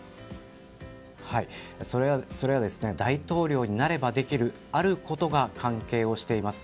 それは大統領になればできるあることが関係しています。